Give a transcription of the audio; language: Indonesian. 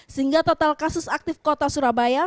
sehingga total kasus aktif di jawa timur